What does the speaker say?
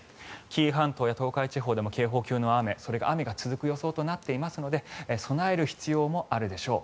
紀伊半島や東海地方でも警報級の雨それが雨が続く予想となっていますので備える必要もあるでしょう。